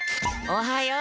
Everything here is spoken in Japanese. おはよう！